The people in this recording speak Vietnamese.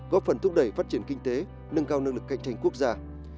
góp phần thúc đẩy phát triển kinh tế nâng cao năng lực cạnh tranh quốc gia